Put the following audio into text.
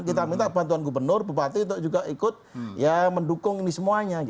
kita minta bantuan gubernur bupati untuk juga ikut mendukung ini semuanya